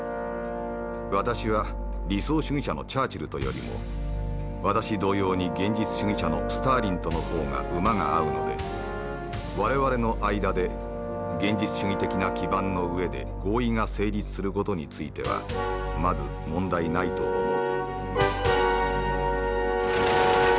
私は理想主義者のチャーチルとよりも私同様に現実主義者のスターリンとの方が馬が合うので我々の間で現実主義的な基盤の上で合意が成立する事についてはまず問題ないと思う」。